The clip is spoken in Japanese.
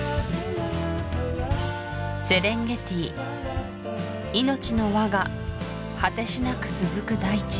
セレンゲティ命の輪が果てしなく続く大地